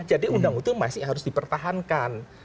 jadi undang undang itu masih harus dipertahankan